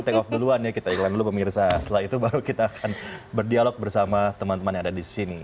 take off duluan ya kita iklan dulu pemirsa setelah itu baru kita akan berdialog bersama teman teman yang ada di sini